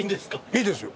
いいですよ。